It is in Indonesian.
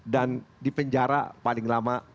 dan dipenjara paling lama